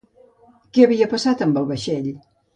Què havia passat amb el vaixell?